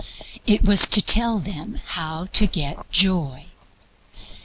It was to tell them HOW TO GET JOY.